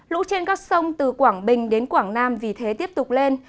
lũ trên các sông từ quảng bình đến quảng nam vì thế tiếp tục lên